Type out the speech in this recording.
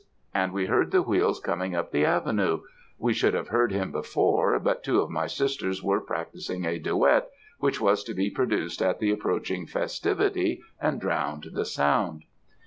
and we heard the wheels coming up the avenue we should have heard him before, but two of my sisters were practising a duet, which was to be produced at the approaching festivity, and drowned the sound.